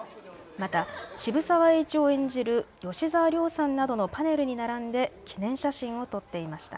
また、渋沢栄一を演じる吉沢亮さんなどのパネルに並んで記念写真を撮っていました。